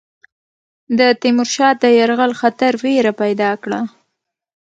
د تیمور شاه د یرغل خطر وېره پیدا کړه.